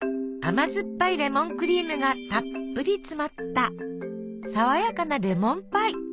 甘酸っぱいレモンクリームがたっぷり詰まったさわやかなレモンパイ！